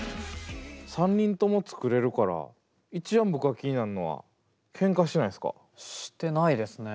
３人とも作れるから一番僕が気になんのはしてないですね。